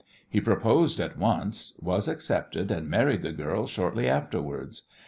He proposed at once, was accepted, and married the girl shortly afterwards.